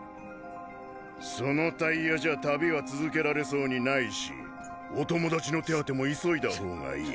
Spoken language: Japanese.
そのタイヤじゃ旅は続けられそうにないしお友達の手当ても急いだ方がいい。